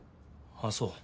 ああそう。